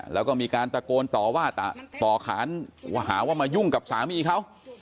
แล้วก็มีการตะโกนต่อว่าต่อขานหาว่ามายุ่งกับสามีเขา